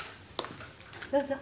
どうぞ。